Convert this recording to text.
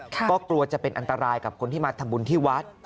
ก็กลัวจะเป็นอันตรายกับคนที่มาทำบุญที่วัด